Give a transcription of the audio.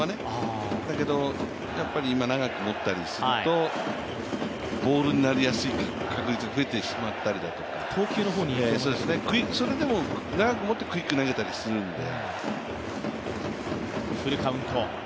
だけど今長く持ったりするとボールになりやすい確率が増えてしまったりだとかそれでも長く持って、クイック投げたりとかもするんで。